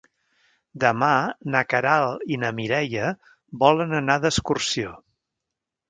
Demà na Queralt i na Mireia volen anar d'excursió.